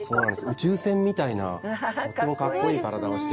宇宙船みたいなとてもかっこいい体をしていますよね。